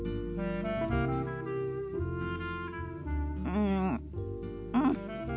うんうん。